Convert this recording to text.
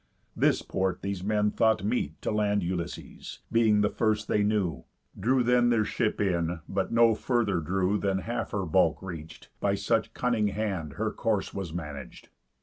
This port these men thought meet To land Ulysses, being the first they knew, Drew then their ship in, but no further drew Than half her bulk reach'd, by such cunning hand Her course was manag'd.